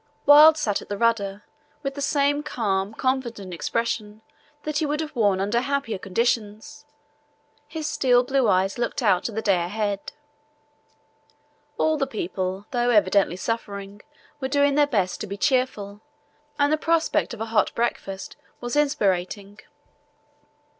Wild sat at the rudder with the same calm, confident expression that he would have worn under happier conditions; his steel blue eyes looked out to the day ahead. All the people, though evidently suffering, were doing their best to be cheerful, and the prospect of a hot breakfast was inspiriting.